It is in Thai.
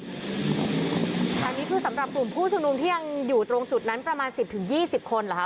อันนี้คือสำหรับกลุ่มผู้ชุมนุมที่ยังอยู่ตรงจุดนั้นประมาณ๑๐๒๐คนเหรอคะ